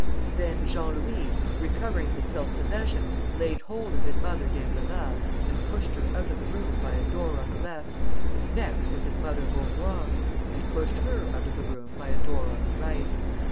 Then Jean Louis, recovering his self possession, laid hold of his mother d'Imbleval and pushed her out of the room by a door on the left and next of his mother Vaurois and pushed her out of the room by a door on the right.